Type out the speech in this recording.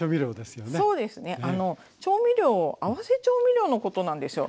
そうですね調味料合わせ調味料のことなんですよ。